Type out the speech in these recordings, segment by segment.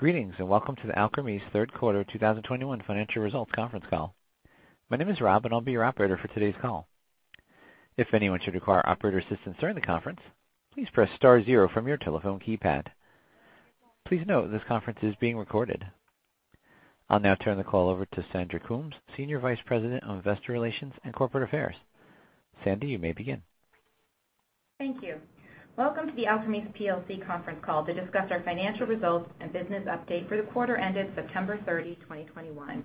Greetings, and welcome to the Alkermes third quarter 2021 financial results conference call. My name is Rob, and I'll be your operator for today's call. If anyone should require operator assistance during the conference, please press star zero from your telephone keypad. Please note this conference is being recorded. I'll now turn the call over to Sandra Coombs, Senior Vice President of Investor Relations and Corporate Affairs. Sandy, you may begin. Thank you. Welcome to the Alkermes plc conference call to discuss our financial results and business update for the quarter ended September 30, 2021.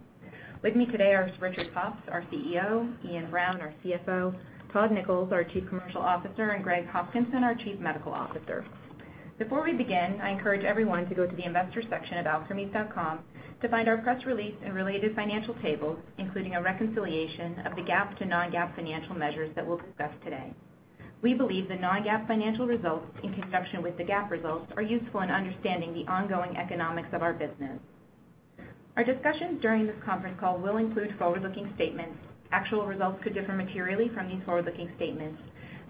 With me today are Richard Pops, our CEO, Iain Brown, our CFO, Todd Nichols, our Chief Commercial Officer, and Craig Hopkinson, our Chief Medical Officer. Before we begin, I encourage everyone to go to the investors section at alkermes.com to find our press release and related financial tables, including a reconciliation of the GAAP to non-GAAP financial measures that we'll discuss today. We believe the non-GAAP financial results in conjunction with the GAAP results are useful in understanding the ongoing economics of our business. Our discussions during this conference call will include forward-looking statements. Actual results could differ materially from these forward-looking statements.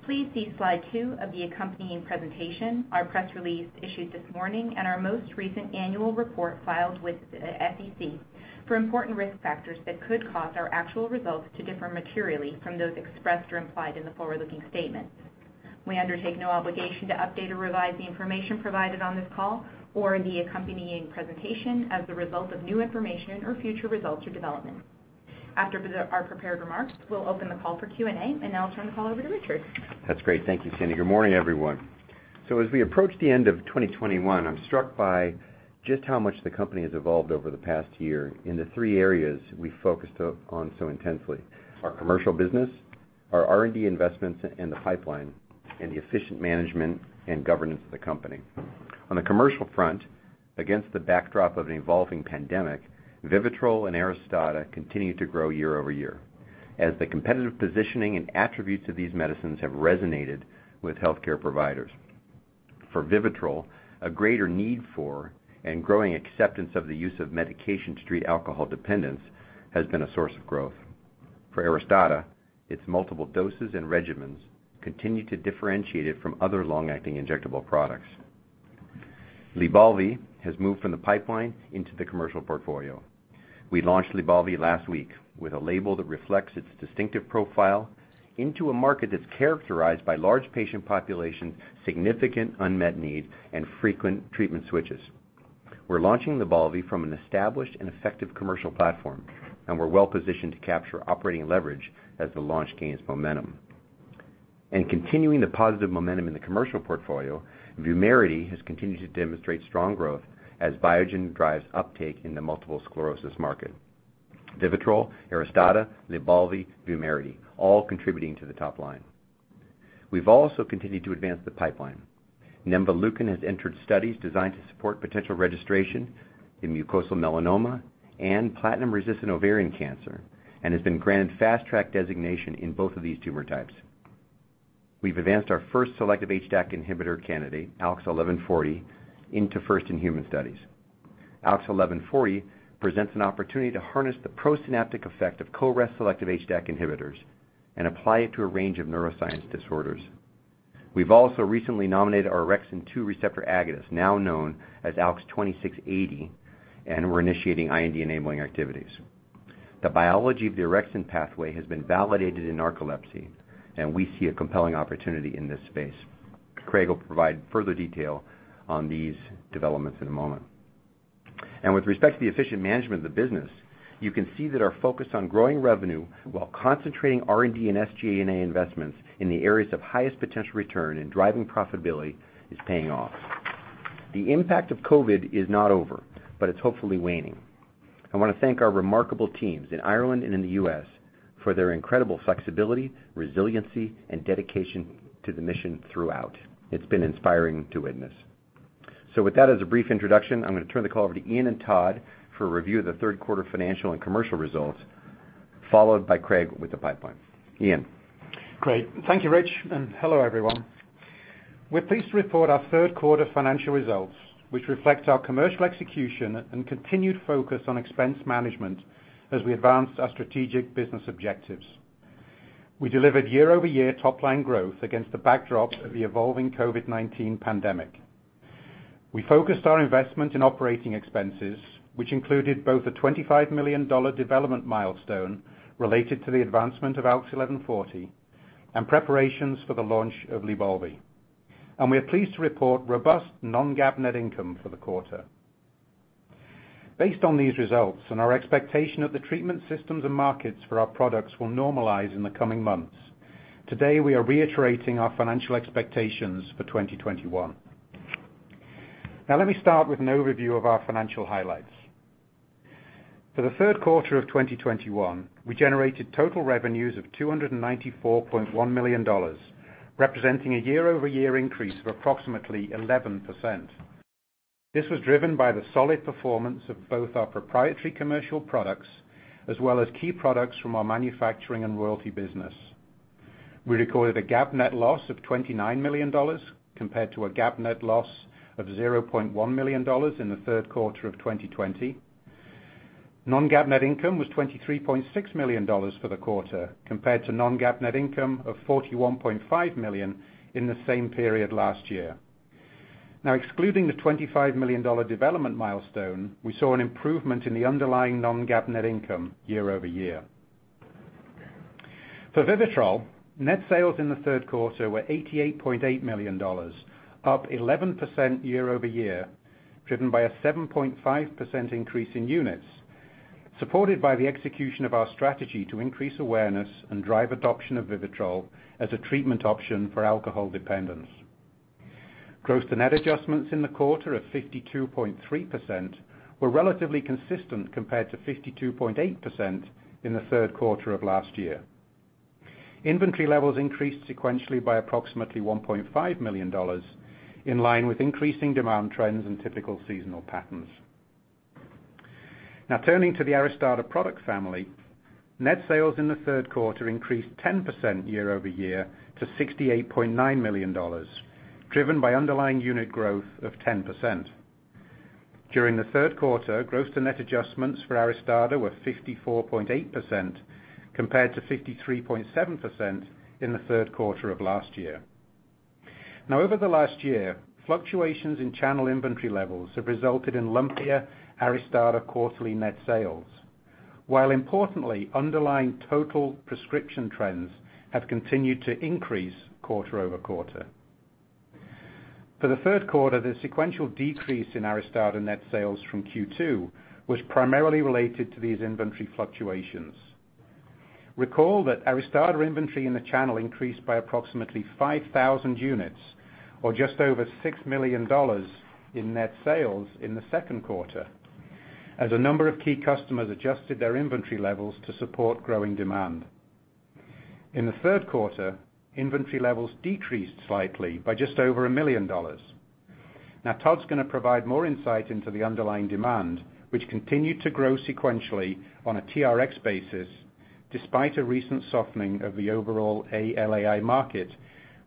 Please see slide two of the accompanying presentation, our press release issued this morning, and our most recent annual report filed with the SEC for important risk factors that could cause our actual results to differ materially from those expressed or implied in the forward-looking statements. We undertake no obligation to update or revise the information provided on this call or in the accompanying presentation as a result of new information or future results or developments. After our prepared remarks, we'll open the call for Q&A, and I'll turn the call over to Richard. That's great. Thank you, Sandy. Good morning, everyone. As we approach the end of 2021, I'm struck by just how much the company has evolved over the past year in the three areas we focused on so intensely: our commercial business, our R&D investments and the pipeline, and the efficient management and governance of the company. On the commercial front, against the backdrop of an evolving pandemic, VIVITROL and ARISTADA continue to grow year-over-year as the competitive positioning and attributes of these medicines have resonated with healthcare providers. For VIVITROL, a greater need for and growing acceptance of the use of medication to treat alcohol dependence has been a source of growth. For ARISTADA, its multiple doses and regimens continue to differentiate it from other long-acting injectable products. LYBALVI has moved from the pipeline into the commercial portfolio. We launched LYBALVI last week with a label that reflects its distinctive profile into a market that's characterized by large patient population, significant unmet need, and frequent treatment switches. We're launching LYBALVI from an established and effective commercial platform, and we're well-positioned to capture operating leverage as the launch gains momentum. Continuing the positive momentum in the commercial portfolio, VUMERITY has continued to demonstrate strong growth as Biogen drives uptake in the multiple sclerosis market. VIVITROL, ARISTADA, LYBALVI, VUMERITY, all contributing to the top line. We've also continued to advance the pipeline. Nemvaleukin has entered studies designed to support potential registration in mucosal melanoma and platinum-resistant ovarian cancer and has been granted fast track designation in both of these tumor types. We've advanced our first selective HDAC inhibitor candidate, ALKS 1140, into first in human studies. ALKS 1140 presents an opportunity to harness the pro-synaptic effect of CoREST selective HDAC inhibitors and apply it to a range of neuroscience disorders. We've also recently nominated our orexin two receptor agonist, now known as ALKS 2680, and we're initiating IND-enabling activities. The biology of the orexin pathway has been validated in narcolepsy, and we see a compelling opportunity in this space. Craig will provide further detail on these developments in a moment. With respect to the efficient management of the business, you can see that our focus on growing revenue while concentrating R&D and SG&A investments in the areas of highest potential return and driving profitability is paying off. The impact of COVID is not over, but it's hopefully waning. I wanna thank our remarkable teams in Ireland and in the U.S. for their incredible flexibility, resiliency, and dedication to the mission throughout. It's been inspiring to witness. With that as a brief introduction, I'm gonna turn the call over to Iain and Todd for a review of the third quarter financial and commercial results, followed by Craig with the pipeline. Iain? Great. Thank you, Rich, and hello, everyone. We're pleased to report our third quarter financial results, which reflect our commercial execution and continued focus on expense management as we advance our strategic business objectives. We delivered year-over-year top-line growth against the backdrop of the evolving COVID-19 pandemic. We focused our investment in operating expenses, which included both a $25 million development milestone related to the advancement of ALKS 1140 and preparations for the launch of LYBALVI. We are pleased to report robust non-GAAP net income for the quarter. Based on these results and our expectation that the treatment systems and markets for our products will normalize in the coming months, today, we are reiterating our financial expectations for 2021. Now, let me start with an overview of our financial highlights. For the third quarter of 2021, we generated total revenues of $294.1 million, representing a year-over-year increase of approximately 11%. This was driven by the solid performance of both our proprietary commercial products as well as key products from our manufacturing and royalty business. We recorded a GAAP net loss of $29 million compared to a GAAP net loss of $0.1 million in the third quarter of 2020. Non-GAAP net income was $23.6 million for the quarter compared to non-GAAP net income of $41.5 million in the same period last year. Now excluding the $25 million development milestone, we saw an improvement in the underlying non-GAAP net income year-over-year. For VIVITROL, net sales in the third quarter were $88.8 million, up 11% year-over-year, driven by a 7.5% increase in units, supported by the execution of our strategy to increase awareness and drive adoption of VIVITROL as a treatment option for alcohol dependence. Gross and net adjustments in the quarter of 52.3% were relatively consistent compared to 52.8% in the third quarter of last year. Inventory levels increased sequentially by approximately $1.5 million in line with increasing demand trends and typical seasonal patterns. Now turning to the ARISTADA product family. Net sales in the third quarter increased 10% year-over-year to $68.9 million, driven by underlying unit growth of 10%. During the third quarter, gross to net adjustments for ARISTADA were 54.8% compared to 53.7% in the third quarter of last year. Now over the last year, fluctuations in channel inventory levels have resulted in lumpier ARISTADA quarterly net sales, while importantly, underlying total prescription trends have continued to increase quarter over quarter. For the third quarter, the sequential decrease in ARISTADA net sales from Q2 was primarily related to these inventory fluctuations. Recall that ARISTADA inventory in the channel increased by approximately 5,000 units or just over $6 million in net sales in the second quarter as a number of key customers adjusted their inventory levels to support growing demand. In the third quarter, inventory levels decreased slightly by just over $1 million. Now Todd's gonna provide more insight into the underlying demand, which continued to grow sequentially on a TRx basis despite a recent softening of the overall LAI market,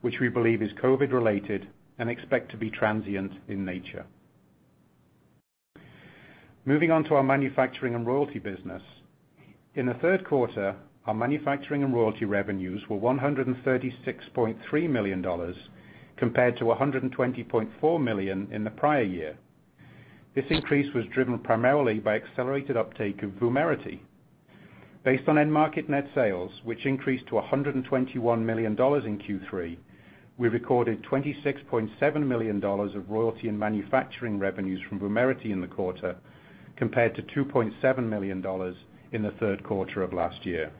which we believe is COVID-related and expect to be transient in nature. Moving on to our manufacturing and royalty business. In the third quarter, our manufacturing and royalty revenues were $136.3 million compared to $120.4 million in the prior year. This increase was driven primarily by accelerated uptake of VUMERITY. Based on end market net sales, which increased to $121 million in Q3, we recorded $26.7 million of royalty and manufacturing revenues from VUMERITY in the quarter compared to $2.7 million in the third quarter of last year.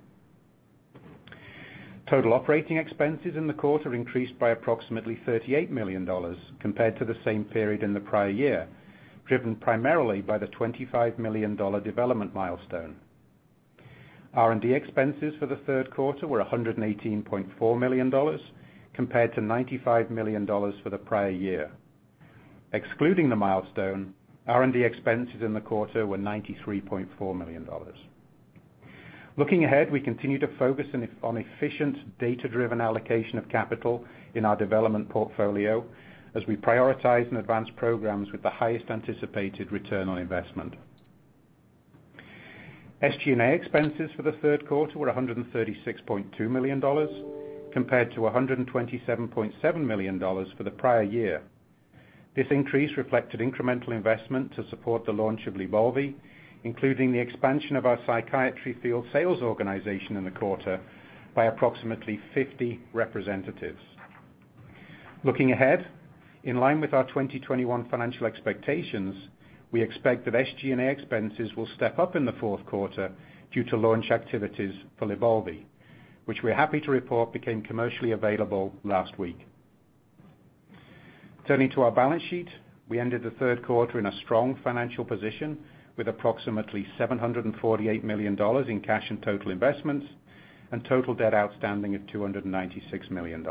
Total operating expenses in the quarter increased by approximately $38 million compared to the same period in the prior year, driven primarily by the $25 million development milestone. R&D expenses for the third quarter were $118.4 million compared to $95 million for the prior year. Excluding the milestone, R&D expenses in the quarter were $93.4 million. Looking ahead, we continue to focus on efficient data-driven allocation of capital in our development portfolio as we prioritize and advance programs with the highest anticipated return on investment. SG&A expenses for the third quarter were $136.2 million compared to $127.7 million for the prior year. This increase reflected incremental investment to support the launch of LYBALVI, including the expansion of our psychiatry field sales organization in the quarter by approximately 50 representatives. Looking ahead, in line with our 2021 financial expectations, we expect that SG&A expenses will step up in the fourth quarter due to launch activities for LYBALVI, which we're happy to report became commercially available last week. Turning to our balance sheet, we ended the third quarter in a strong financial position with approximately $748 million in cash and total investments and total debt outstanding of $296 million.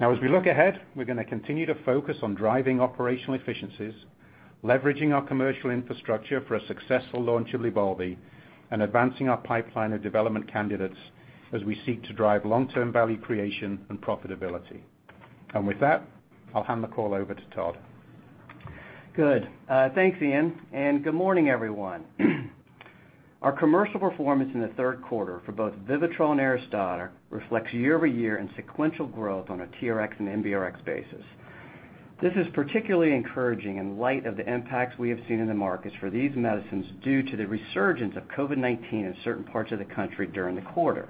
Now as we look ahead, we're gonna continue to focus on driving operational efficiencies, leveraging our commercial infrastructure for a successful launch of LYBALVI, and advancing our pipeline of development candidates as we seek to drive long-term value creation and profitability. With that, I'll hand the call over to Todd. Good. Thanks, Iain, and good morning, everyone. Our commercial performance in the third quarter for both VIVITROL and ARISTADA reflects year-over-year and sequential growth on a TRx and NBRx basis. This is particularly encouraging in light of the impacts we have seen in the markets for these medicines due to the resurgence of COVID-19 in certain parts of the country during the quarter.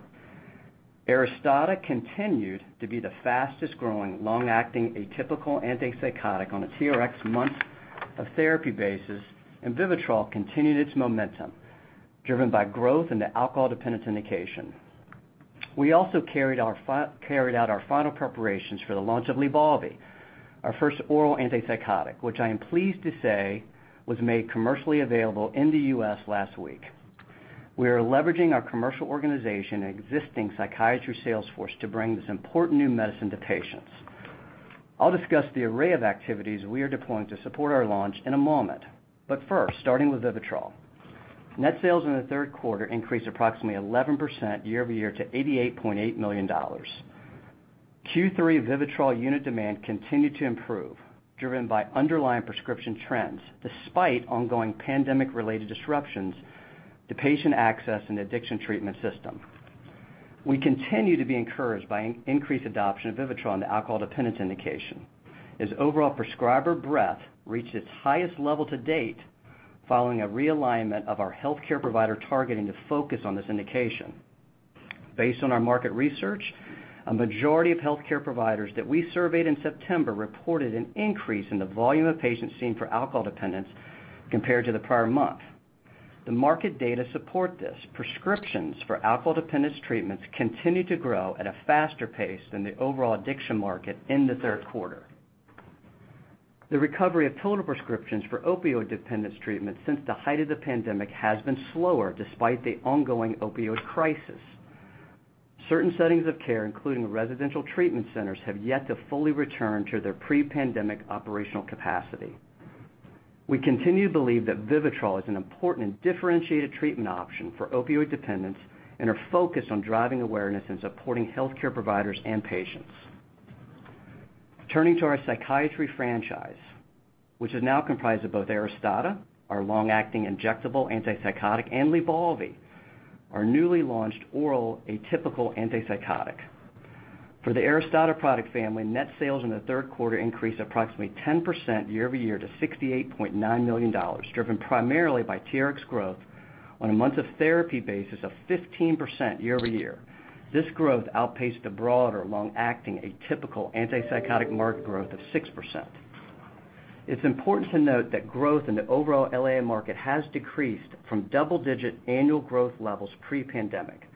ARISTADA continued to be the fastest growing, long-acting, atypical antipsychotic on a TRx month of therapy basis, and VIVITROL continued its momentum, driven by growth in the alcohol dependence indication. We also carried out our final preparations for the launch of LYBALVI, our first oral antipsychotic, which I am pleased to say was made commercially available in the U.S. last week. We are leveraging our commercial organization and existing psychiatry sales force to bring this important new medicine to patients. I'll discuss the array of activities we are deploying to support our launch in a moment. First, starting with VIVITROL. Net sales in the third quarter increased approximately 11% year-over-year to $88.8 million. Q3 VIVITROL unit demand continued to improve, driven by underlying prescription trends despite ongoing pandemic-related disruptions to patient access and addiction treatment system. We continue to be encouraged by increased adoption of VIVITROL in the alcohol dependence indication, as overall prescriber breadth reached its highest level to date following a realignment of our healthcare provider targeting the focus on this indication. Based on our market research, a majority of healthcare providers that we surveyed in September reported an increase in the volume of patients seen for alcohol dependence compared to the prior month. The market data support this. Prescriptions for alcohol dependence treatments continue to grow at a faster pace than the overall addiction market in the third quarter. The recovery of total prescriptions for opioid dependence treatment since the height of the pandemic has been slower despite the ongoing opioid crisis. Certain settings of care, including residential treatment centers, have yet to fully return to their pre-pandemic operational capacity. We continue to believe that VIVITROL is an important and differentiated treatment option for opioid dependence and are focused on driving awareness and supporting healthcare providers and patients. Turning to our psychiatry franchise, which is now comprised of both ARISTADA, our long-acting injectable antipsychotic, and LYBALVI, our newly launched oral atypical antipsychotic. For the ARISTADA product family, net sales in the third quarter increased approximately 10% year-over-year to $68.9 million, driven primarily by TRx growth on a months of therapy basis of 15% year-over-year. This growth outpaced the broader long-acting atypical antipsychotic market growth of 6%. It's important to note that growth in the overall LAI market has decreased from double-digit annual growth levels pre-pandemic.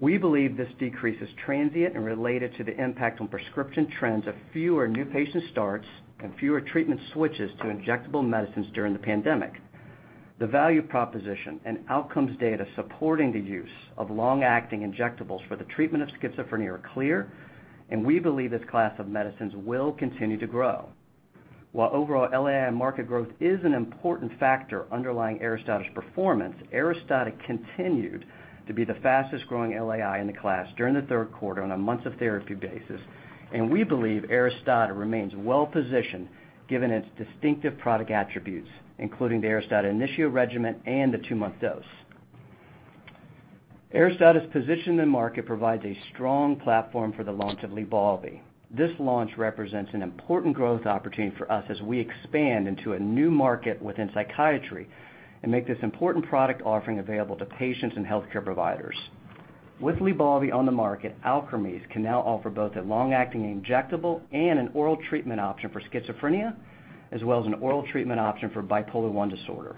We believe this decrease is transient and related to the impact on prescription trends of fewer new patient starts and fewer treatment switches to injectable medicines during the pandemic. The value proposition and outcomes data supporting the use of long-acting injectables for the treatment of schizophrenia are clear, and we believe this class of medicines will continue to grow. While overall LAI market growth is an important factor underlying ARISTADA's performance, ARISTADA continued to be the fastest-growing LAI in the class during the third quarter on a months of therapy basis, and we believe ARISTADA remains well-positioned given its distinctive product attributes, including the ARISTADA INITIO regimen and the two-month dose. ARISTADA's position in the market provides a strong platform for the launch of LYBALVI. This launch represents an important growth opportunity for us as we expand into a new market within psychiatry and make this important product offering available to patients and healthcare providers. With LYBALVI on the market, Alkermes can now offer both a long-acting injectable and an oral treatment option for schizophrenia, as well as an oral treatment option for bipolar I disorder.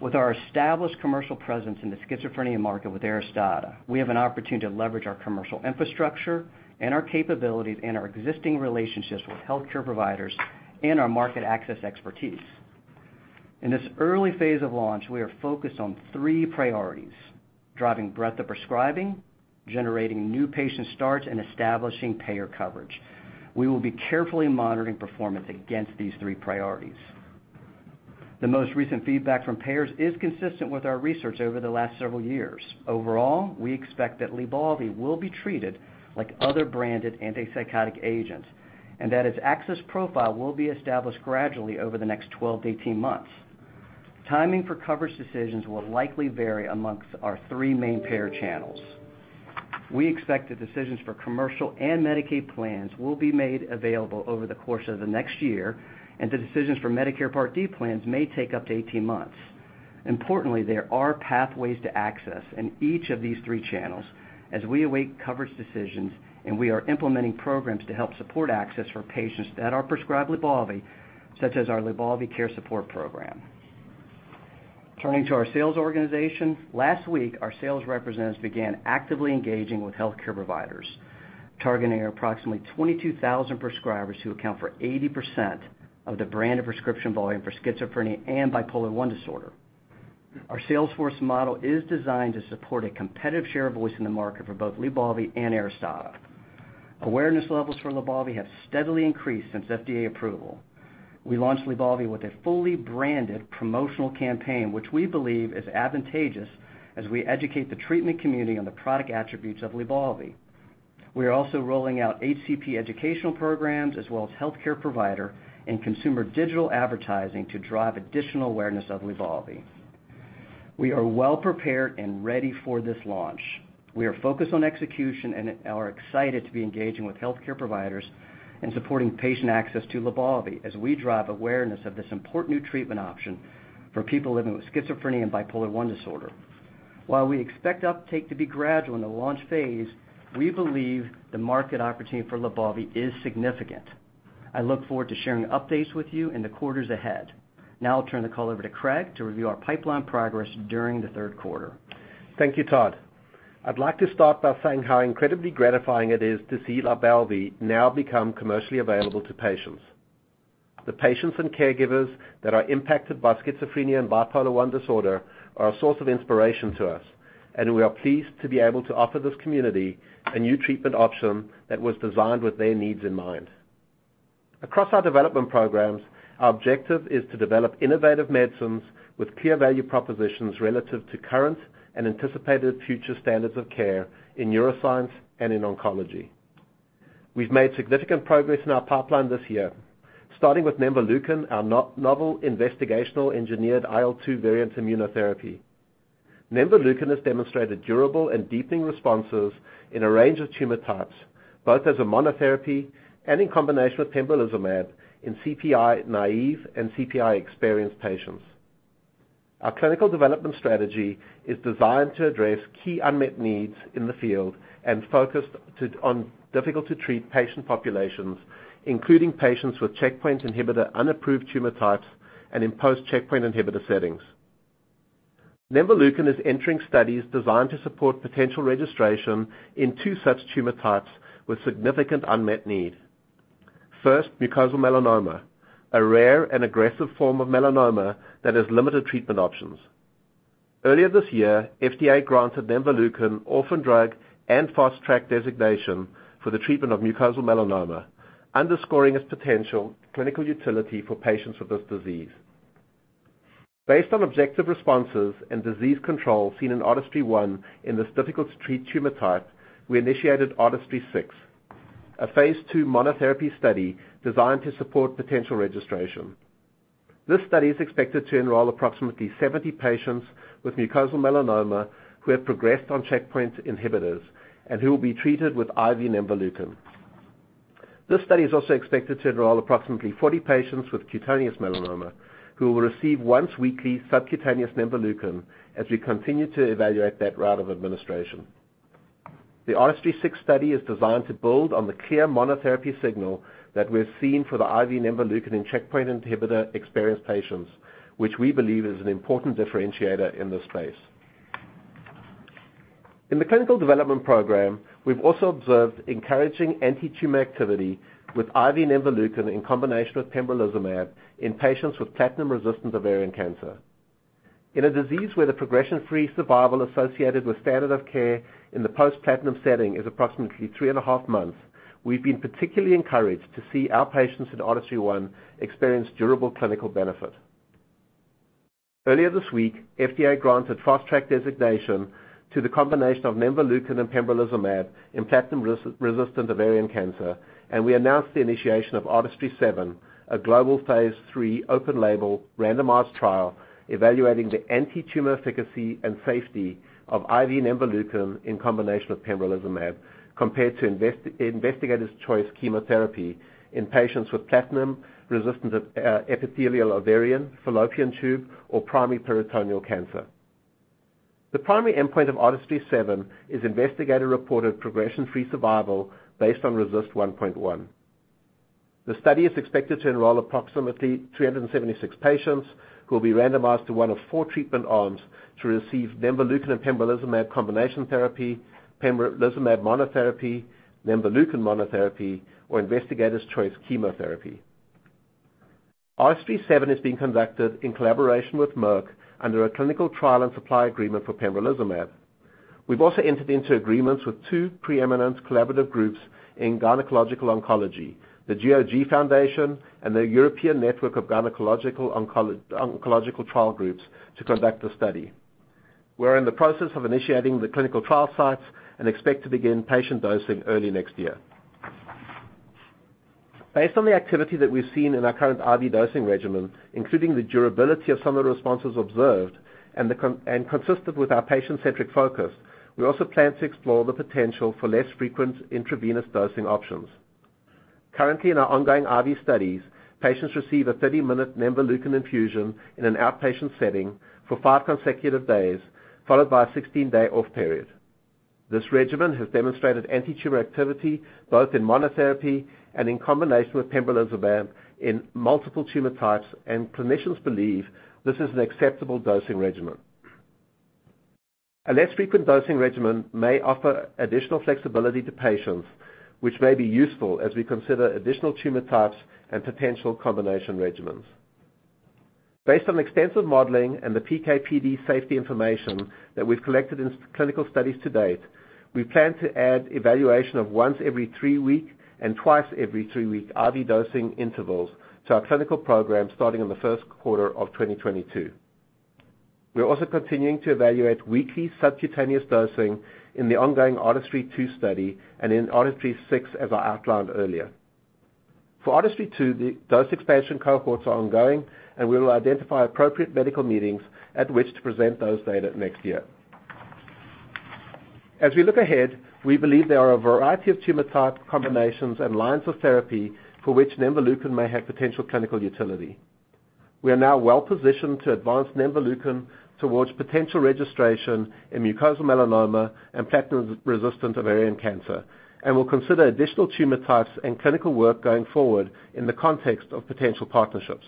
With our established commercial presence in the schizophrenia market with ARISTADA, we have an opportunity to leverage our commercial infrastructure and our capabilities and our existing relationships with healthcare providers and our market access expertise. In this early phase of launch, we are focused on three priorities, driving breadth of prescribing, generating new patient starts, and establishing payer coverage. We will be carefully monitoring performance against these three priorities. The most recent feedback from payers is consistent with our research over the last several years. Overall, we expect that LYBALVI will be treated like other branded antipsychotic agents, and that its access profile will be established gradually over the next 12-18 months. Timing for coverage decisions will likely vary among our three main payer channels. We expect the decisions for commercial and Medicaid plans will be made available over the course of the next year, and the decisions for Medicare Part D plans may take up to 18 months. Importantly, there are pathways to access in each of these three channels as we await coverage decisions, and we are implementing programs to help support access for patients that are prescribed LYBALVI, such as our LYBALVI Care Support Program. Turning to our sales organization. Last week, our sales representatives began actively engaging with healthcare providers, targeting approximately 22,000 prescribers who account for 80% of the branded prescription volume for schizophrenia and bipolar I disorder. Our sales force model is designed to support a competitive share of voice in the market for both LYBALVI and ARISTADA. Awareness levels for LYBALVI have steadily increased since FDA approval. We launched LYBALVI with a fully branded promotional campaign, which we believe is advantageous as we educate the treatment community on the product attributes of LYBALVI. We are also rolling out HCP educational programs as well as healthcare provider and consumer digital advertising to drive additional awareness of LYBALVI. We are well prepared and ready for this launch. We are focused on execution and are excited to be engaging with healthcare providers and supporting patient access to LYBALVI as we drive awareness of this important new treatment option for people living with schizophrenia and bipolar I disorder. While we expect uptake to be gradual in the launch phase, we believe the market opportunity for LYBALVI is significant. I look forward to sharing updates with you in the quarters ahead. Now I'll turn the call over to Craig to review our pipeline progress during the third quarter. Thank you, Todd. I'd like to start by saying how incredibly gratifying it is to see LYBALVI now become commercially available to patients. The patients and caregivers that are impacted by schizophrenia and bipolar I disorder are a source of inspiration to us, and we are pleased to be able to offer this community a new treatment option that was designed with their needs in mind. Across our development programs, our objective is to develop innovative medicines with clear value propositions relative to current and anticipated future standards of care in neuroscience and in oncology. We've made significant progress in our pipeline this year, starting with nemvaleukin, our novel investigational engineered IL-2 variant immunotherapy. Nemvaleukin has demonstrated durable and deepening responses in a range of tumor types, both as a monotherapy and in combination with pembrolizumab in CPI-naive and CPI-experienced patients. Our clinical development strategy is designed to address key unmet needs in the field and focused on difficult to treat patient populations, including patients with checkpoint inhibitor unapproved tumor types, and in post-checkpoint inhibitor settings. Nemvaleukin is entering studies designed to support potential registration in two such tumor types with significant unmet need. First, mucosal melanoma, a rare and aggressive form of melanoma that has limited treatment options. Earlier this year, FDA granted nemvaleukin orphan drug and Fast Track designation for the treatment of mucosal melanoma, underscoring its potential clinical utility for patients with this disease. Based on objective responses and disease control seen in ARTISTRY-1 in this difficult to treat tumor type, we initiated ARTISTRY-6, a phase II monotherapy study designed to support potential registration. This study is expected to enroll approximately 70 patients with mucosal melanoma who have progressed on checkpoint inhibitors and who will be treated with IV nemvaleukin. This study is also expected to enroll approximately 40 patients with cutaneous melanoma who will receive once-weekly subcutaneous nemvaleukin as we continue to evaluate that route of administration. The ARTISTRY-6 study is designed to build on the clear monotherapy signal that we're seeing for the IV nemvaleukin in checkpoint inhibitor-experienced patients, which we believe is an important differentiator in this space. In the clinical development program, we've also observed encouraging antitumor activity with IV nemvaleukin in combination with pembrolizumab in patients with platinum-resistant ovarian cancer. In a disease where the progression-free survival associated with standard of care in the post-platinum setting is approximately 3.5 months, we've been particularly encouraged to see our patients in ARTISTRY-1 experience durable clinical benefit. Earlier this week, FDA granted Fast Track designation to the combination of nemvaleukin and pembrolizumab in platinum-resistant ovarian cancer, and we announced the initiation of ARTISTRY-7, a global phase III open-label randomized trial evaluating the antitumor efficacy and safety of IV nemvaleukin in combination with pembrolizumab compared to investigator's choice chemotherapy in patients with platinum-resistant epithelial ovarian, fallopian tube, or primary peritoneal cancer. The primary endpoint of ARTISTRY-7 is investigator-reported progression-free survival based on RECIST 1.1. The study is expected to enroll approximately 376 patients who will be randomized to one of four treatment arms to receive nemvaleukin and pembrolizumab combination therapy, pembrolizumab monotherapy, nemvaleukin monotherapy, or investigator's choice chemotherapy. ARTISTRY-7 is being conducted in collaboration with Merck under a clinical trial and supply agreement for pembrolizumab. We've also entered into agreements with two preeminent collaborative groups in gynecological oncology, the GOG Foundation and the European Network of Gynecological Oncological Trial Groups, to conduct the study. We're in the process of initiating the clinical trial sites and expect to begin patient dosing early next year. Based on the activity that we've seen in our current IV dosing regimen, including the durability of some of the responses observed and consistent with our patient-centric focus, we also plan to explore the potential for less frequent intravenous dosing options. Currently, in our ongoing IV studies, patients receive a 30-minute nemvaleukin infusion in an outpatient setting for five consecutive days, followed by a 16-day off period. This regimen has demonstrated antitumor activity both in monotherapy and in combination with pembrolizumab in multiple tumor types, and clinicians believe this is an acceptable dosing regimen. A less frequent dosing regimen may offer additional flexibility to patients, which may be useful as we consider additional tumor types and potential combination regimens. Based on extensive modeling and the PK/PD safety information that we've collected in clinical studies to date, we plan to add evaluation of once every three week and twice every three week IV dosing intervals to our clinical program starting in the first quarter of 2022. We are also continuing to evaluate weekly subcutaneous dosing in the ongoing ARTISTRY-2 study and in ARTISTRY-6, as I outlined earlier. For ARTISTRY-2, the dose expansion cohorts are ongoing, and we will identify appropriate medical meetings at which to present those data next year. As we look ahead, we believe there are a variety of tumor type combinations and lines of therapy for which nemvaleukin may have potential clinical utility. We are now well-positioned to advance nemvaleukin towards potential registration in mucosal melanoma and platinum-resistant ovarian cancer and will consider additional tumor types and clinical work going forward in the context of potential partnerships.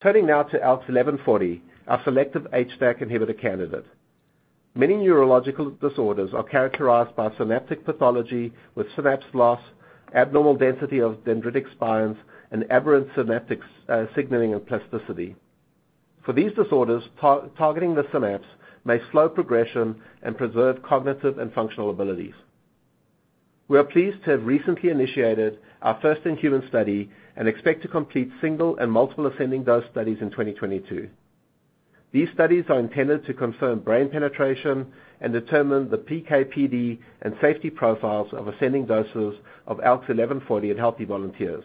Turning now to ALKS 1140, our selective HDAC inhibitor candidate. Many neurological disorders are characterized by synaptic pathology with synapse loss, abnormal density of dendritic spines, and aberrant synaptic signaling and plasticity. For these disorders, targeting the synapse may slow progression and preserve cognitive and functional abilities. We are pleased to have recently initiated our first in-human study and expect to complete single and multiple ascending dose studies in 2022. These studies are intended to confirm brain penetration and determine the PK/PD and safety profiles of ascending doses of ALKS 1140 in healthy volunteers.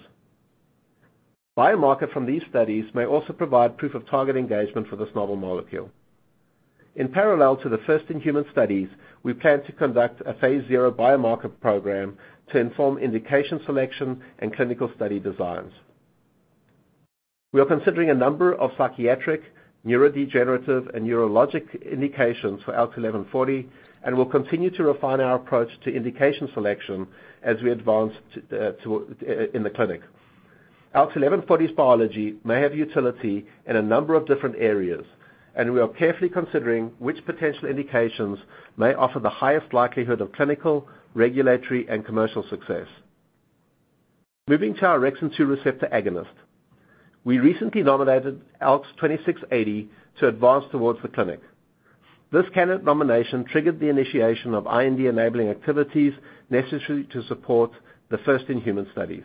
Biomarkers from these studies may also provide proof of target engagement for this novel molecule. In parallel to the first-in-human studies, we plan to conduct a phase 0 biomarker program to inform indication selection and clinical study designs. We are considering a number of psychiatric, neurodegenerative, and neurologic indications for ALKS 1140, and we'll continue to refine our approach to indication selection as we advance into the clinic. ALKS 1140's biology may have utility in a number of different areas, and we are carefully considering which potential indications may offer the highest likelihood of clinical, regulatory, and commercial success. Moving to our orexin two receptor agonist. We recently nominated ALKS 2680 to advance towards the clinic. This candidate nomination triggered the initiation of IND-enabling activities necessary to support the first-in-human studies.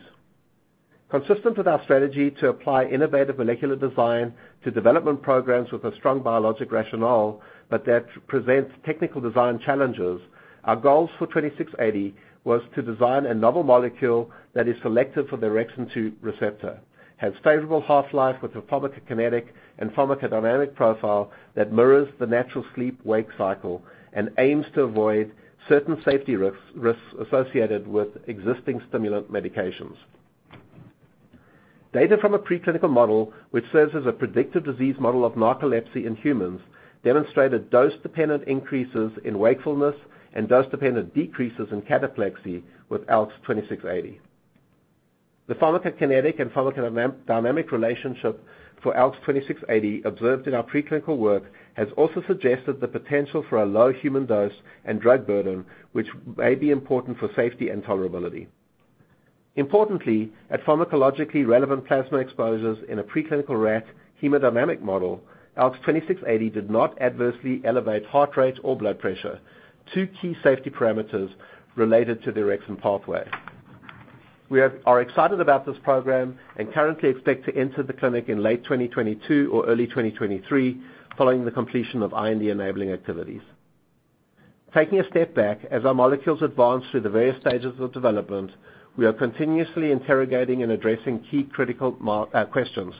Consistent with our strategy to apply innovative molecular design to development programs with a strong biologic rationale, but that presents technical design challenges, our goals for 2680 was to design a novel molecule that is selective for the orexin two receptor, has favorable half-life with a pharmacokinetic and pharmacodynamic profile that mirrors the natural sleep-wake cycle, and aims to avoid certain safety risks associated with existing stimulant medications. Data from a preclinical model, which serves as a predictive disease model of narcolepsy in humans, demonstrated dose-dependent increases in wakefulness and dose-dependent decreases in cataplexy with ALKS 2680. The pharmacokinetic and pharmacodynamic relationship for ALKS 2680 observed in our preclinical work has also suggested the potential for a low human dose and drug burden, which may be important for safety and tolerability. Importantly, at pharmacologically relevant plasma exposures in a preclinical rat hemodynamic model, ALKS 2680 did not adversely elevate heart rate or blood pressure, two key safety parameters related to the orexin pathway. We are excited about this program and currently expect to enter the clinic in late 2022 or early 2023 following the completion of IND-enabling activities. Taking a step back, as our molecules advance through the various stages of development, we are continuously interrogating and addressing key critical questions.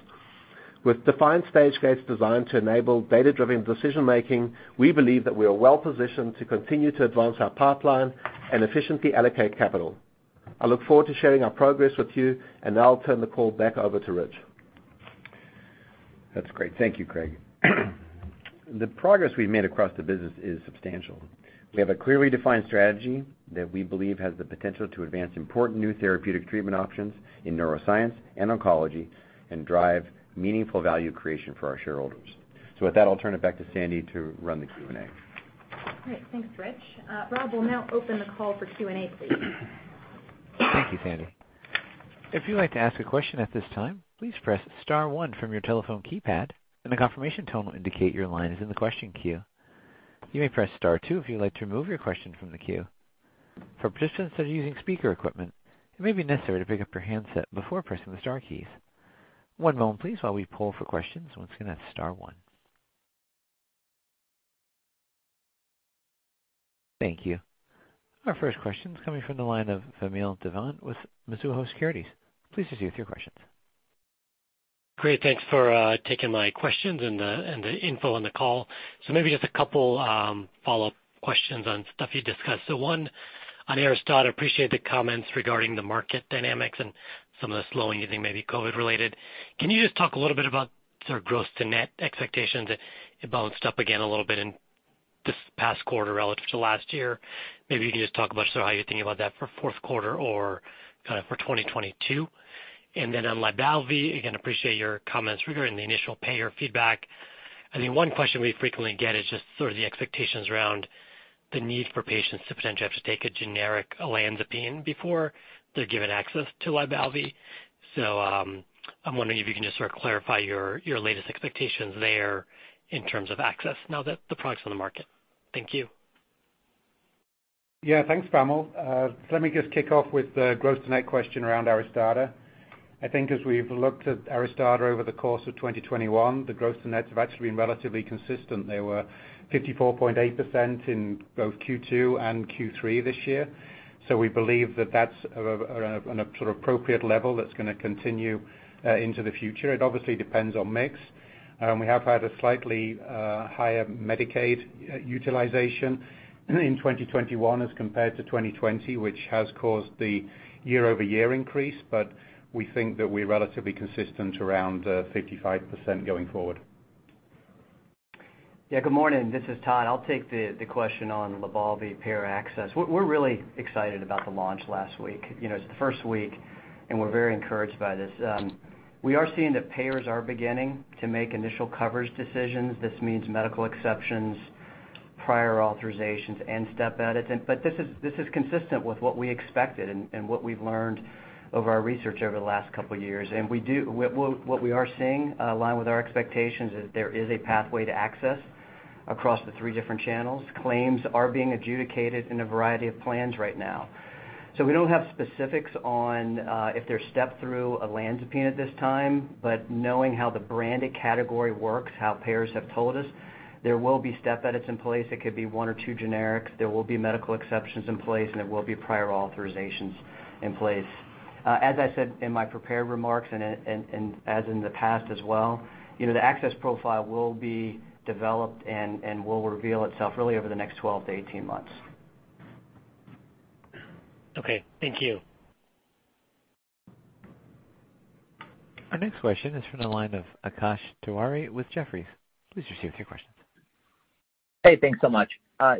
With defined stage gates designed to enable data-driven decision making, we believe that we are well-positioned to continue to advance our pipeline and efficiently allocate capital. I look forward to sharing our progress with you, and now I'll turn the call back over to Rich. That's great. Thank you, Craig. The progress we've made across the business is substantial. We have a clearly defined strategy that we believe has the potential to advance important new therapeutic treatment options in neuroscience and oncology and drive meaningful value creation for our shareholders. With that, I'll turn it back to Sandy to run the Q&A. All right. Thanks, Rich. Rob, we'll now open the call for Q&A, please. Thank you, Sandy. If you'd like to ask a question at this time, please press star one from your telephone keypad and a confirmation tone will indicate your line is in the question queue. You may press star two if you'd like to remove your question from the queue. For participants that are using speaker equipment, it may be necessary to pick up your handset before pressing the star keys. One moment, please, while we poll for questions. Once again, that's star one. Thank you. Our first question is coming from the line of Vamil Divan with Mizuho Securities. Please proceed with your questions. Great. Thanks for taking my questions and the info on the call. Maybe just a couple follow-up questions on stuff you discussed. One on ARISTADA. Appreciate the comments regarding the market dynamics and some of the slowing you think may be COVID-related. Can you just talk a little bit about sort of gross to net expectations? It bounced up again a little bit in this past quarter relative to last year. Maybe you can just talk about sort of how you're thinking about that for fourth quarter or kind of for 2022. Then on LYBALVI, again, appreciate your comments regarding the initial payer feedback. I think one question we frequently get is just sort of the expectations around the need for patients to potentially have to take a generic olanzapine before they're given access to LYBALVI. I'm wondering if you can just sort of clarify your latest expectations there in terms of access now that the product's on the market. Thank you. Yeah. Thanks, Vamil. Let me just kick off with the gross to net question around ARISTADA. I think as we've looked at ARISTADA over the course of 2021, the gross and nets have actually been relatively consistent. They were 54.8% in both Q2 and Q3 this year. We believe that that's an appropriate level that's gonna continue into the future. It obviously depends on mix. We have had a slightly higher Medicaid utilization in 2021 as compared to 2020, which has caused the year-over-year increase. We think that we're relatively consistent around 55% going forward. Yeah, good morning. This is Todd. I'll take the question on LYBALVI payer access. We're really excited about the launch last week. You know, it's the first week, and we're very encouraged by this. We are seeing that payers are beginning to make initial coverage decisions. This means medical exceptions, prior authorizations and step edits. But this is consistent with what we expected and what we've learned over our research over the last couple years. What we are seeing align with our expectations is there is a pathway to access across the three different channels. Claims are being adjudicated in a variety of plans right now. So we don't have specifics on if they're step through olanzapine at this time, but knowing how the branded category works, how payers have told us, there will be step edits in place. It could be one or two generics. There will be medical exceptions in place, and there will be prior authorizations in place. As I said in my prepared remarks and as in the past as well, you know, the access profile will be developed and will reveal itself really over the next 12-18 months. Okay, thank you. Our next question is from the line of Akash Tewari with Jefferies. Please proceed with your questions. Hey, thanks so much.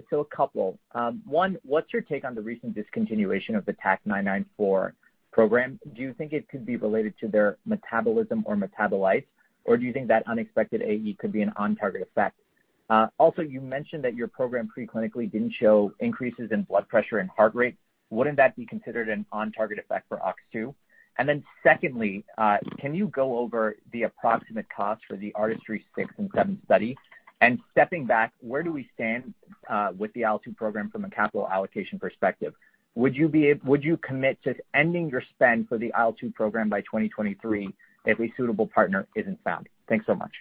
So a couple. One, what's your take on the recent discontinuation of the TAK-994 program? Do you think it could be related to their metabolism or metabolites, or do you think that unexpected AE could be an on-target effect? Also, you mentioned that your program pre-clinically didn't show increases in blood pressure and heart rate. Wouldn't that be considered an on-target effect for OX2? And then secondly, can you go over the approximate cost for the ARTISTRY-6 and ARTISTRY-7 study? And stepping back, where do we stand with the IL-2 program from a capital allocation perspective? Would you commit to ending your spend for the IL-2 program by 2023 if a suitable partner isn't found? Thanks so much.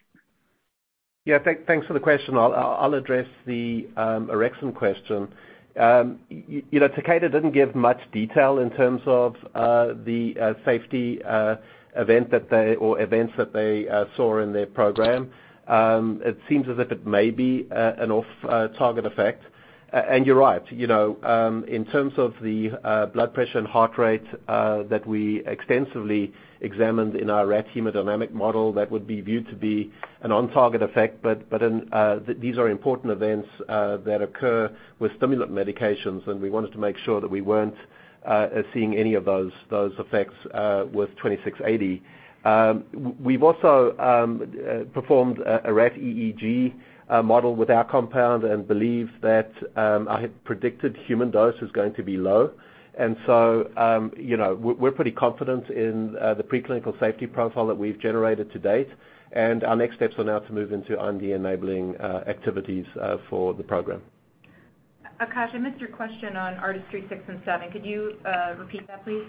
Thanks for the question. I'll address the orexin question. You know, Takeda didn't give much detail in terms of the safety events that they saw in their program. It seems as if it may be an off-target effect. You're right, you know, in terms of the blood pressure and heart rate that we extensively examined in our rat hemodynamic model, that would be viewed to be an on-target effect. These are important events that occur with stimulant medications, and we wanted to make sure that we weren't seeing any of those effects with 2680. We've also performed a rat EEG model with our compound and believe that a predicted human dose is going to be low. You know, we're pretty confident in the pre-clinical safety profile that we've generated to date. Our next steps are now to move into R&D enabling activities for the program. Akash, I missed your question on ARTISTRY-6 and ARTISTRY-7. Could you repeat that, please?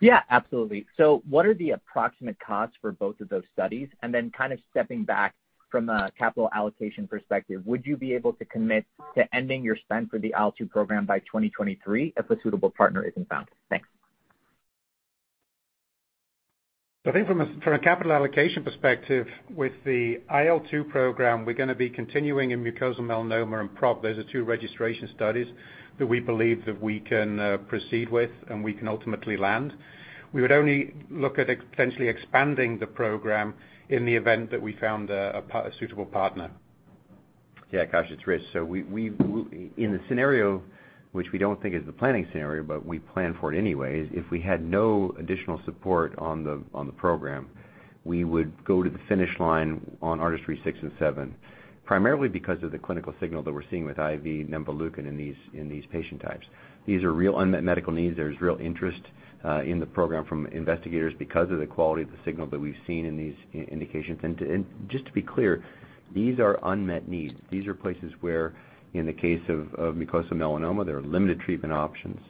Yeah, absolutely. What are the approximate costs for both of those studies? Kind of stepping back from a capital allocation perspective, would you be able to commit to ending your spend for the IL-2 program by 2023 if a suitable partner isn't found? Thanks. I think from a capital allocation perspective, with the IL-2 program, we're gonna be continuing in mucosal melanoma and PROC. Those are two registration studies that we believe that we can proceed with and we can ultimately land. We would only look at potentially expanding the program in the event that we found a suitable partner. Yeah, Akash, it's Rich. In the scenario, which we don't think is the planning scenario, but we plan for it anyway, if we had no additional support on the program, we would go to the finish line on ARTISTRY-6 and ARTISTRY-7, primarily because of the clinical signal that we're seeing with IV nemvaleukin in these patient types. These are real unmet medical needs. There's real interest in the program from investigators because of the quality of the signal that we've seen in these indications. Just to be clear, these are unmet needs. These are places where, in the case of mucosal melanoma, there are limited treatment options.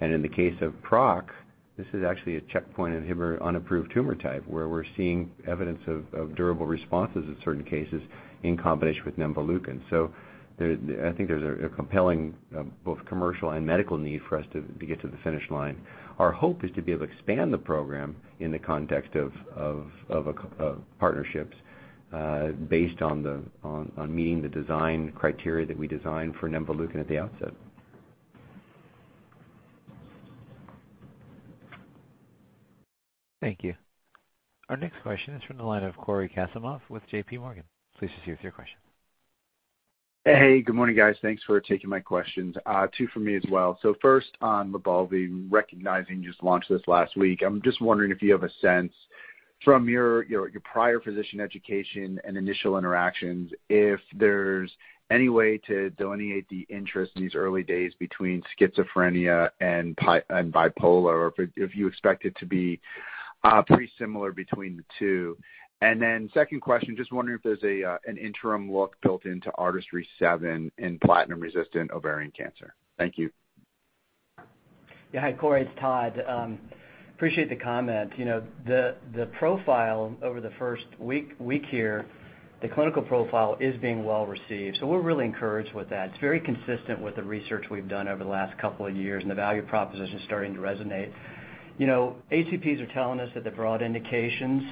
In the case of PROC, this is actually a checkpoint inhibitor unapproved tumor type where we're seeing evidence of durable responses in certain cases in combination with nemvaleukin. I think there's a compelling both commercial and medical need for us to get to the finish line. Our hope is to be able to expand the program in the context of partnerships based on meeting the design criteria that we designed for nemvaleukin at the outset. Thank you. Our next question is from the line of Cory Kasimov with JPMorgan. Please proceed with your question. Hey, good morning, guys. Thanks for taking my questions. Two for me as well. First on LYBALVI, recognizing you just launched this last week, I'm just wondering if you have a sense from your prior physician education and initial interactions, if there's any way to delineate the interest in these early days between schizophrenia and bipolar, or if you expect it to be pretty similar between the two. Then second question, just wondering if there's an interim look built into ARTISTRY-7 in platinum-resistant ovarian cancer. Thank you. Yeah. Hi, Cory, it's Todd. Appreciate the comment. You know, the profile over the first week here, the clinical profile is being well received, so we're really encouraged with that. It's very consistent with the research we've done over the last couple of years, and the value proposition is starting to resonate. You know, HCPs are telling us that the broad indications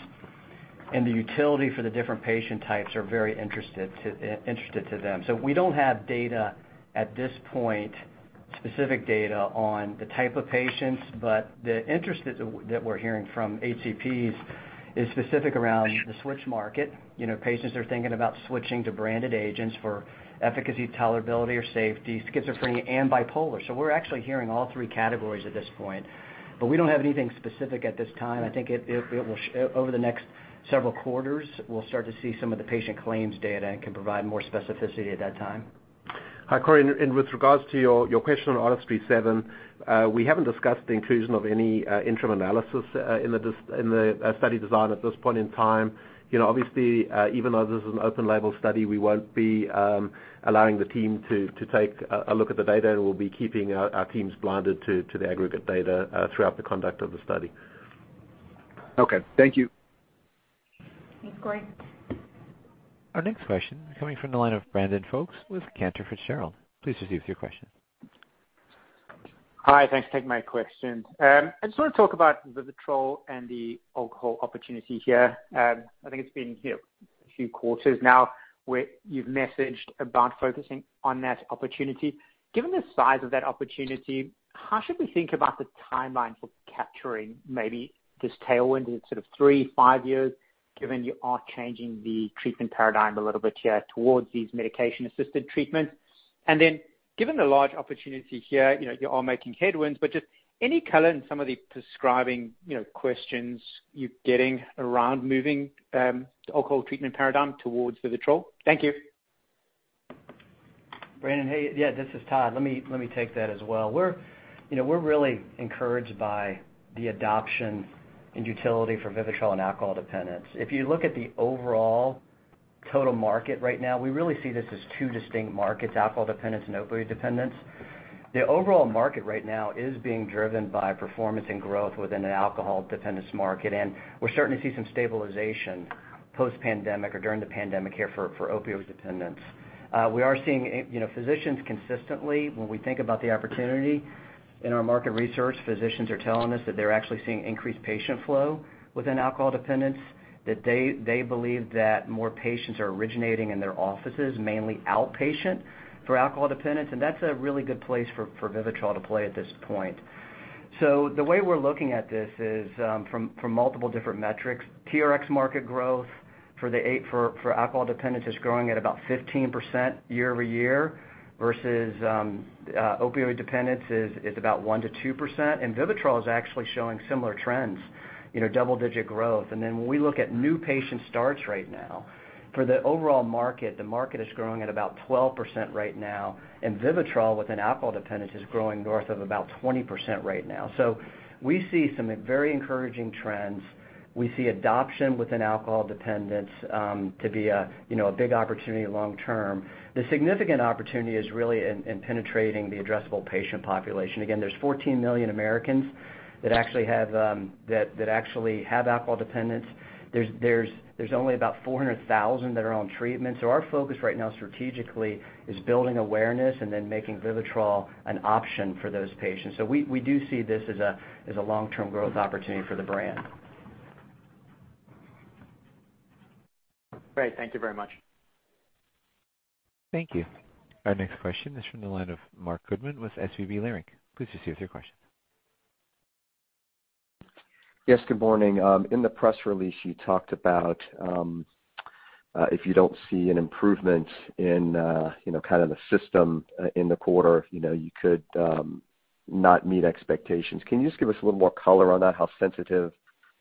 and the utility for the different patient types are very interested to them. So we don't have data at this point, specific data on the type of patients, but the interest that we're hearing from HCPs is specific around the switch market. You know, patients are thinking about switching to branded agents for efficacy, tolerability, or safety, schizophrenia and bipolar. So we're actually hearing all three categories at this point, but we don't have anything specific at this time. I think it will over the next several quarters, we'll start to see some of the patient claims data and can provide more specificity at that time. Hi, Cory, and with regards to your question on AUD VIVITROL, we haven't discussed the inclusion of any interim analysis in the study design at this point in time. You know, obviously, even though this is an open label study, we won't be allowing the team to take a look at the data, and we'll be keeping our teams blinded to the aggregate data throughout the conduct of the study. Okay, thank you. Thanks, Cory. Our next question is coming from the line of Brandon Folkes with Cantor Fitzgerald. Please proceed with your question. Hi, thanks for taking my question. I just want to talk about the Vivitrol and the alcohol opportunity here. I think it's been, you know, a few quarters now where you've messaged about focusing on that opportunity. Given the size of that opportunity, how should we think about the timeline for capturing maybe this tailwind in sort of three to five years, given you are changing the treatment paradigm a little bit here towards these medication-assisted treatments? Given the large opportunity here, you know, you are making headway, but just any color on some of the prescribing, you know, questions you're getting around moving the alcohol treatment paradigm towards Vivitrol? Thank you. Brandon, hey. Yeah, this is Todd. Let me take that as well. You know, we're really encouraged by the adoption and utility for VIVITROL in alcohol dependence. If you look at the overall total market right now, we really see this as two distinct markets: alcohol dependence and opioid dependence. The overall market right now is being driven by performance and growth within an alcohol dependence market, and we're starting to see some stabilization post-pandemic or during the pandemic here for opioid dependence. We are seeing, you know, physicians consistently when we think about the opportunity in our market research, physicians are telling us that they're actually seeing increased patient flow within alcohol dependence, that they believe that more patients are originating in their offices, mainly outpatient, for alcohol dependence, and that's a really good place for VIVITROL to play at this point. The way we're looking at this is from multiple different metrics. TRx market growth for alcohol dependence is growing at about 15% year-over-year versus opioid dependence is about 1%-2%. VIVITROL is actually showing similar trends, you know, double-digit growth. When we look at new patient starts right now, for the overall market, the market is growing at about 12% right now, and VIVITROL within alcohol dependence is growing north of about 20% right now. We see some very encouraging trends. We see adoption within alcohol dependence to be a, you know, a big opportunity long term. The significant opportunity is really in penetrating the addressable patient population. Again, there's 14 million Americans that actually have alcohol dependence. There's only about 400,000 that are on treatment. Our focus right now strategically is building awareness and then making VIVITROL an option for those patients. We do see this as a long-term growth opportunity for the brand. Great. Thank you very much. Thank you. Our next question is from the line of Marc Goodman with SVB Leerink. Please proceed with your question. Yes, good morning. In the press release you talked about, if you don't see an improvement in, you know, kind of the system, in the quarter, you know, you could not meet expectations. Can you just give us a little more color on that, how sensitive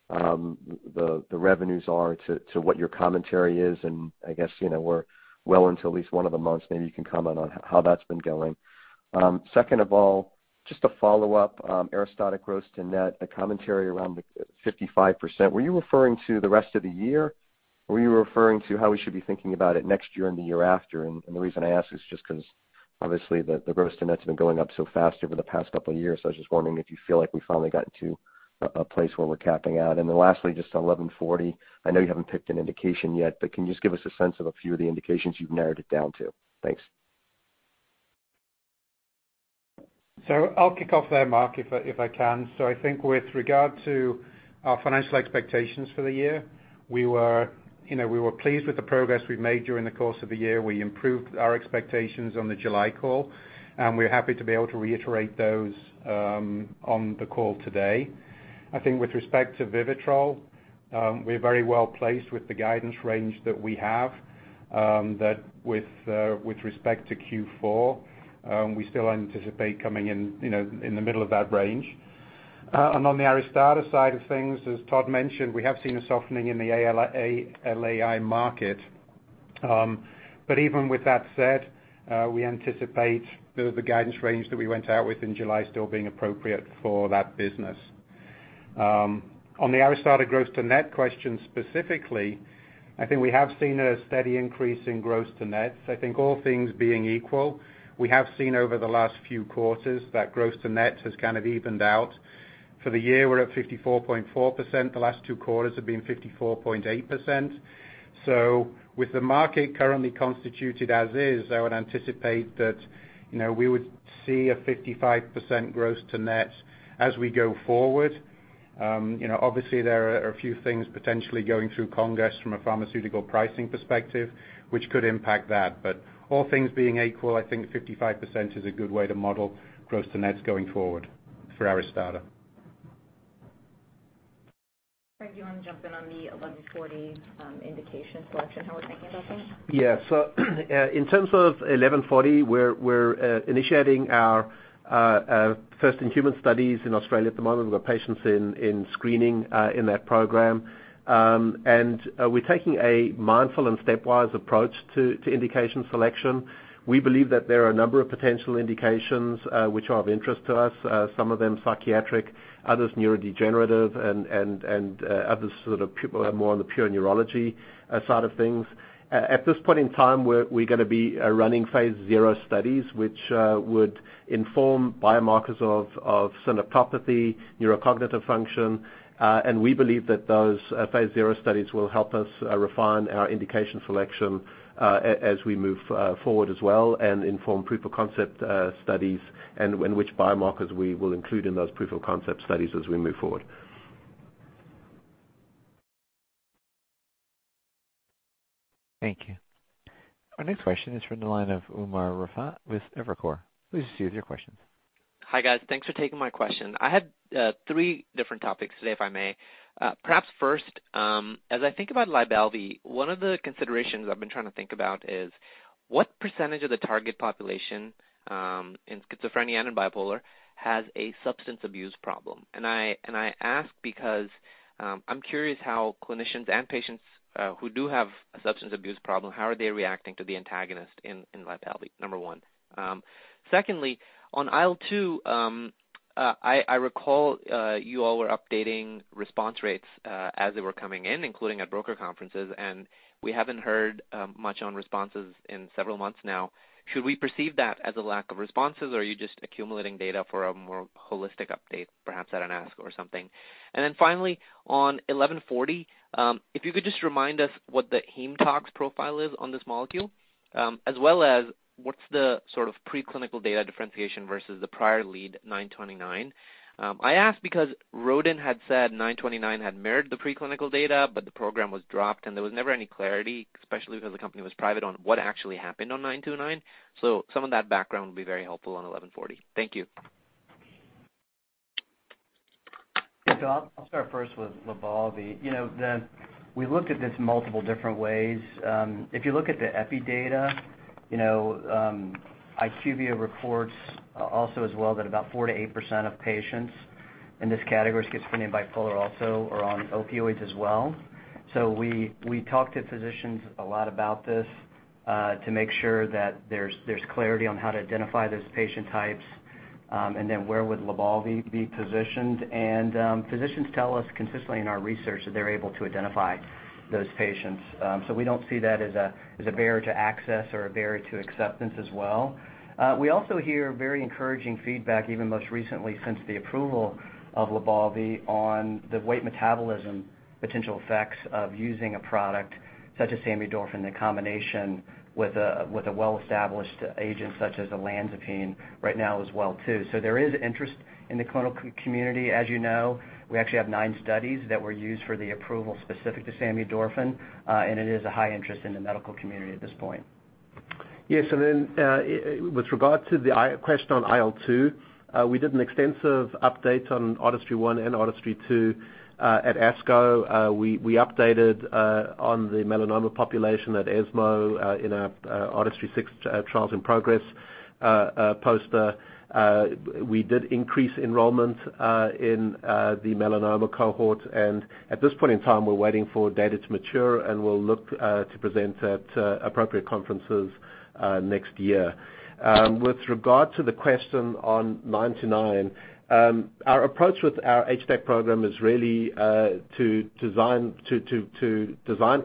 the revenues are to what your commentary is? And I guess, you know, we're well into at least one of the months, maybe you can comment on how that's been going. Second of all, just to follow up, ARISTADA gross to net commentary around the 55%. Were you referring to the rest of the year, or were you referring to how we should be thinking about it next year and the year after? The reason I ask is just 'cause, obviously, the gross to net's been going up so fast over the past couple of years. I was just wondering if you feel like we finally got to a place where we're capping out. Lastly, just on 1140, I know you haven't picked an indication yet, but can you just give us a sense of a few of the indications you've narrowed it down to? Thanks. I'll kick off there, Marc, if I can. I think with regard to our financial expectations for the year, we were pleased with the progress we've made during the course of the year. We improved our expectations on the July call, and we're happy to be able to reiterate those on the call today. I think with respect to VIVITROL, we're very well placed with the guidance range that we have, with respect to Q4, we still anticipate coming in in the middle of that range. On the ARISTADA side of things, as Todd mentioned, we have seen a softening in the LAI market. Even with that said, we anticipate the guidance range that we went out with in July still being appropriate for that business. On the ARISTADA gross-to-net question specifically, I think we have seen a steady increase in gross-to-net. I think all things being equal, we have seen over the last few quarters that gross-to-net has kind of evened out. For the year, we're at 54.4%. The last two quarters have been 54.8%. With the market currently constituted as is, I would anticipate that, you know, we would see a 55% gross-to-net as we go forward. You know, obviously there are a few things potentially going through Congress from a pharmaceutical pricing perspective which could impact that. All things being equal, I think 55% is a good way to model gross-to-net going forward for ARISTADA. Craig, do you want to jump in on the 1140 indication selection, how we're thinking about that? Yeah. In terms of ALKS 1140, we're initiating our first in human studies in Australia at the moment. We've got patients in screening in that program. We're taking a mindful and stepwise approach to indication selection. We believe that there are a number of potential indications which are of interest to us, some of them psychiatric, others neurodegenerative and others sort of people are more on the pure neurology side of things. At this point in time, we're gonna be running phase 0 studies, which would inform biomarkers of synaptopathy, neurocognitive function. We believe that those phase zero studies will help us refine our indication selection as we move forward as well and inform proof of concept studies in which biomarkers we will include in those proof of concept studies as we move forward. Thank you. Our next question is from the line of Umer Raffat with Evercore. Please proceed with your questions. Hi, guys. Thanks for taking my question. I had three different topics today, if I may. Perhaps first, as I think about LYBALVI, one of the considerations I've been trying to think about is what percentage of the target population in schizophrenia and in bipolar has a substance abuse problem. I ask because I'm curious how clinicians and patients who do have a substance abuse problem, how are they reacting to the antagonist in LYBALVI, number one. Secondly, on IL-2, I recall you all were updating response rates as they were coming in, including at broker conferences, and we haven't heard much on responses in several months now. Should we perceive that as a lack of responses, or are you just accumulating data for a more holistic update, perhaps at an ASCO or something? Then finally, on 1140, if you could just remind us what the hematox profile is on this molecule, as well as what's the sort of preclinical data differentiation versus the prior lead, 929. I ask because Rodin had said 929 had mirrored the preclinical data, but the program was dropped, and there was never any clarity, especially because the company was private, on what actually happened on 929. Some of that background would be very helpful on 1140. Thank you. I'll start first with LYBALVI. You know, we looked at this multiple different ways. If you look at the epi data, you know, IQVIA reports also as well that about 4%-8% of patients in this category, schizophrenia and bipolar also, are on opioids as well. We talk to physicians a lot about this, to make sure that there's clarity on how to identify those patient types, and then where would LYBALVI be positioned. Physicians tell us consistently in our research that they're able to identify those patients. We don't see that as a barrier to access or a barrier to acceptance as well. We also hear very encouraging feedback, even most recently since the approval of LYBALVI, on the weight metabolism potential effects of using a product such as samidorphan in combination with a well-established agent such as olanzapine right now as well, too. There is interest in the clinical community. As you know, we actually have nine studies that were used for the approval specific to samidorphan, and it is a high interest in the medical community at this point. Yes. With regard to the question on IL-2, we did an extensive update on ODYSSEY-1 and ODYSSEY-2 at ASCO. We updated on the melanoma population at ESMO in our ODYSSEY-6 trials in progress poster. We did increase enrollment in the melanoma cohort. At this point in time, we're waiting for data to mature, and we'll look to present at appropriate conferences next year. With regard to the question on 929, our approach with our HDAC program is really to design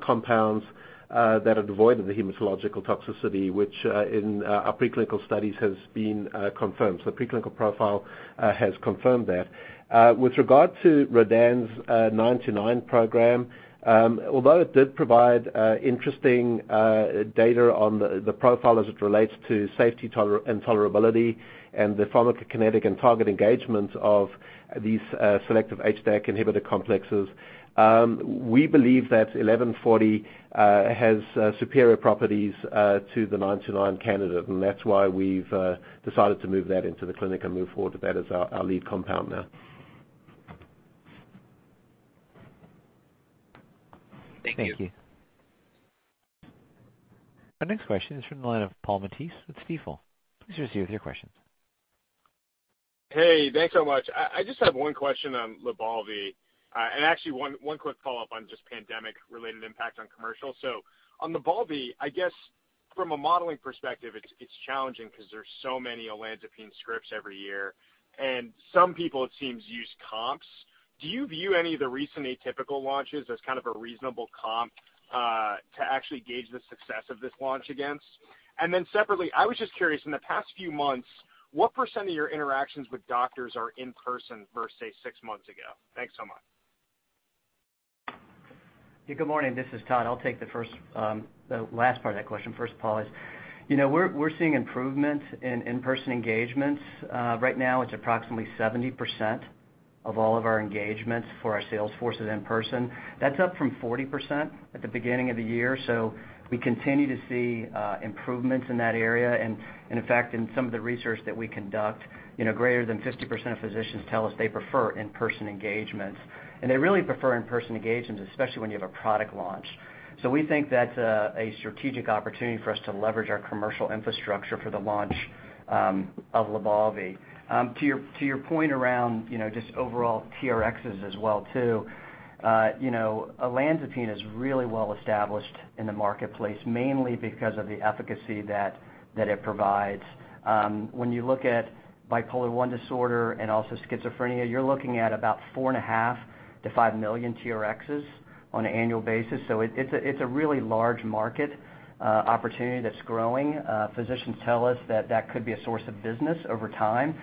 compounds that are devoid of the hematological toxicity, which in our preclinical studies has been confirmed. Preclinical profile has confirmed that. With regard to Rodin's 929 program, although it did provide interesting data on the profile as it relates to safety, tolerability, and the pharmacokinetic and target engagement of these selective HDAC inhibitor complexes, we believe that 1140 has superior properties to the 929 candidate. That's why we've decided to move that into the clinic and move forward with that as our lead compound now. Thank you. Thank you. Our next question is from the line of Paul Matteis with Stifel. Please proceed with your questions. Hey. Thanks so much. I just have one question on LYBALVI, and actually one quick follow-up on just pandemic-related impact on commercial. On LYBALVI, I guess from a modeling perspective, it's challenging because there's so many olanzapine scripts every year, and some people, it seems, use comps. Do you view any of the recent atypical launches as kind of a reasonable comp to actually gauge the success of this launch against? Then separately, I was just curious, in the past few months, what percent of your interactions with doctors are in person versus, say, six months ago? Thanks so much. Yeah. Good morning. This is Todd. I'll take the first, the last part of that question first, Paul. You know, we're seeing improvement in-person engagements. Right now it's approximately 70% of all of our engagements for our sales forces in person. That's up from 40% at the beginning of the year. We continue to see improvements in that area. In fact, in some of the research that we conduct, you know, greater than 50% of physicians tell us they prefer in-person engagements. They really prefer in-person engagements, especially when you have a product launch. We think that's a strategic opportunity for us to leverage our commercial infrastructure for the launch of LYBALVI. To your point around, you know, just overall TRXs as well too, you know, olanzapine is really well established in the marketplace, mainly because of the efficacy that it provides. When you look at bipolar I disorder and also schizophrenia, you're looking at about 4.5-5 million TRXs on an annual basis. It's a really large market opportunity that's growing. Physicians tell us that could be a source of business over time.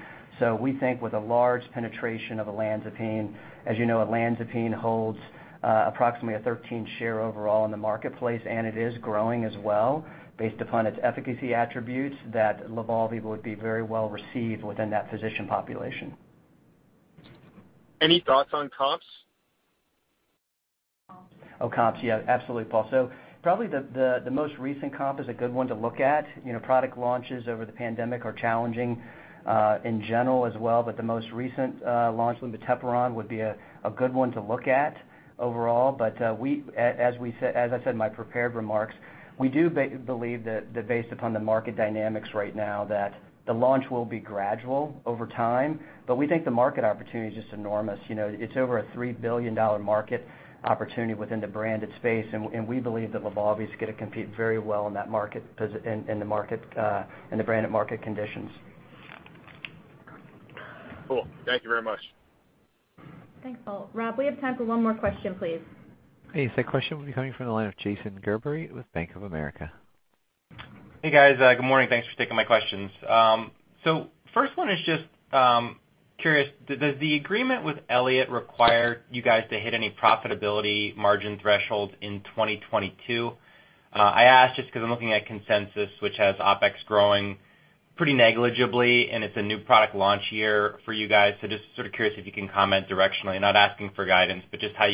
We think with a large penetration of olanzapine, as you know, olanzapine holds approximately a 13% share overall in the marketplace, and it is growing as well based upon its efficacy attributes that LYBALVI would be very well received within that physician population. Any thoughts on comps? Oh, comps. Yeah, absolutely, Paul. Probably the most recent comp is a good one to look at. You know, product launches over the pandemic are challenging in general as well. The most recent launch, lumateperone, would be a good one to look at overall. As I said in my prepared remarks, we do believe that based upon the market dynamics right now, that the launch will be gradual over time, but we think the market opportunity is just enormous. You know, it's over a $3 billion market opportunity within the branded space, and we believe that LYBALVI is gonna compete very well in that market, in the branded market conditions. Cool. Thank you very much. Thanks, Paul. Rob, we have time for one more question, please. Hey. Question will be coming from the line of Jason Gerberry with Bank of America. Hey, guys. Good morning. Thanks for taking my questions. First one is just curious. Does the agreement with Elliott require you guys to hit any profitability margin threshold in 2022? I ask just because I'm looking at consensus, which has OpEx growing pretty negligibly, and it's a new product launch year for you guys. Just sort of curious if you can comment directionally. Not asking for guidance, but just how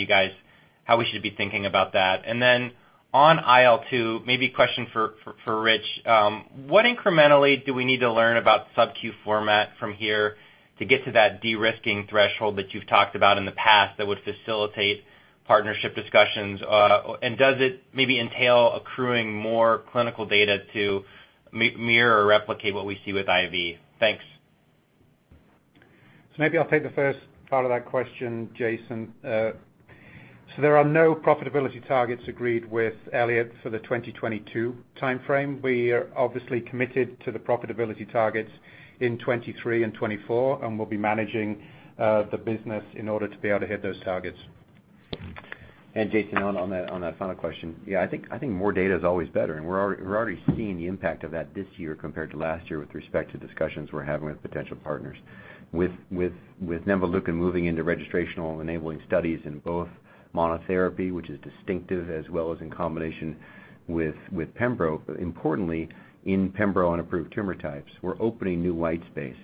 we should be thinking about that. Then on IL-2, maybe a question for Rich. What incrementally do we need to learn about subq format from here to get to that de-risking threshold that you've talked about in the past that would facilitate partnership discussions? Does it maybe entail accruing more clinical data to mirror or replicate what we see with IV? Thanks. Maybe I'll take the first part of that question, Jason. There are no profitability targets agreed with Elliott for the 2022 timeframe. We are obviously committed to the profitability targets in 2023 and 2024, and we'll be managing the business in order to be able to hit those targets. Jason, on that final question. Yeah, I think more data is always better, and we're already seeing the impact of that this year compared to last year with respect to discussions we're having with potential partners. With nemvaleukin moving into registrational enabling studies in both monotherapy, which is distinctive as well as in combination with pembro, but importantly in pembro and approved tumor types, we're opening new white space.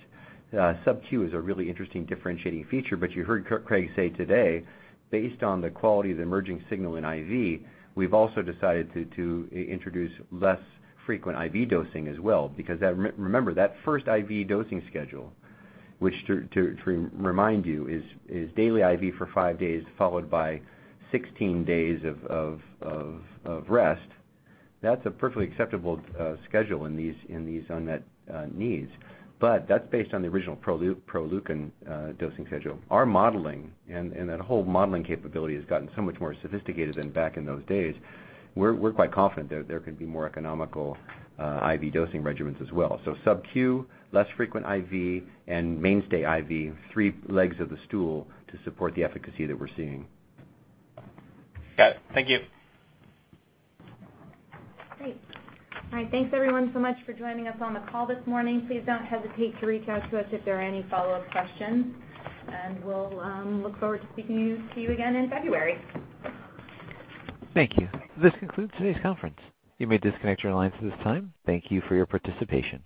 Subq is a really interesting differentiating feature, but you heard Craig say today, based on the quality of the emerging signal in IV, we've also decided to introduce less frequent IV dosing as well, because that, remember, that first IV dosing schedule, which, to remind you, is daily IV for five days followed by 16 days of rest, that's a perfectly acceptable schedule in these unmet needs. But that's based on the original Proleukin dosing schedule. Our modeling and that whole modeling capability has gotten so much more sophisticated than back in those days. We're quite confident there could be more economical IV dosing regimens as well. So subq, less frequent IV, and mainstay IV, three legs of the stool to support the efficacy that we're seeing. Got it. Thank you. Great. All right. Thanks, everyone, so much for joining us on the call this morning. Please don't hesitate to reach out to us if there are any follow-up questions, and we'll look forward to speaking to you again in February. Thank you. This concludes today's conference. You may disconnect your lines at this time. Thank you for your participation.